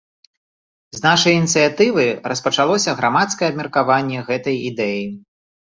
З нашай ініцыятывы распачалося грамадскае абмеркаванне гэтай ідэі.